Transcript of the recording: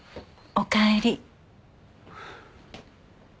おかえり。